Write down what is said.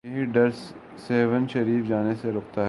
یہی ڈر سیہون شریف جانے سے روکتا ہے۔